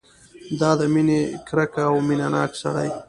دا د مینې ګرګه او مینه ناک سړی.